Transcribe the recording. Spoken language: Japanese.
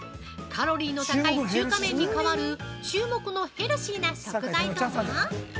カロリーの高い、中華麺に代わる注目のヘルシーな食材とは？